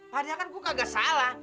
panih vez karena gue kagak salah